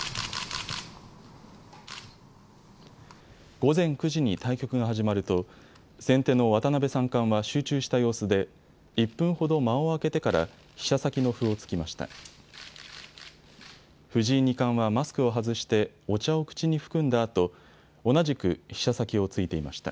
午前９時に対局が始まると先手の渡辺三冠は集中した様子で１分ほど間を空けてから飛車先の歩を突きました。